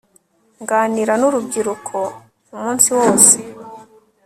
Nganira nurubyiruko umunsi wose